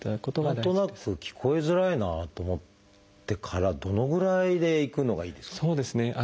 何となく聞こえづらいなと思ってからどのぐらいで行くのがいいですかね。